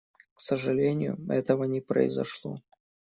К сожалению, этого не произошло.